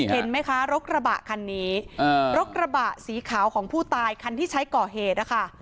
เห็นไหมคะรถกระบะคันนี้รถกระบะสีขาวของผู้ตายคันที่ใช้ก่อเหตุนะคะ